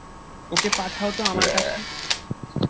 ওকে পাঠাও তো আমার কাছে।